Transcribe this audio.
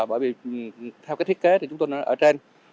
bởi vì theo cái thiết kế thì chúng tôi ở trên